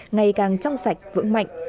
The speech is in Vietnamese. ngày càng trong sạch vững mạnh